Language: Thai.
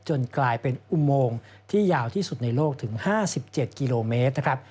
กลายเป็นอุโมงที่ยาวที่สุดในโลกถึง๕๗กิโลเมตรนะครับ